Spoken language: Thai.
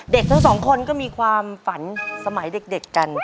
ทั้งสองคนก็มีความฝันสมัยเด็กกัน